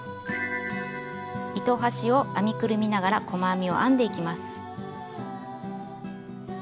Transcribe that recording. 糸端を編みくるみながら細編みを編んでいきます。